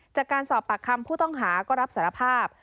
จากการสอบปากคำผู้ต้องหาก็รับสารภาพ